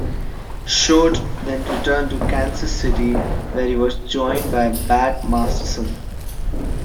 Short then returned to Kansas City where he was joined by Bat Masterson.